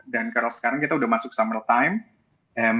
dan kalau sekarang kita sudah masuk summer time